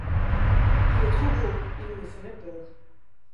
Il est trop gros, il me ferait peur.